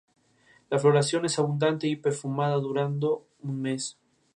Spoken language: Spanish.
Es una zona habitual de residencia de la alta burguesía.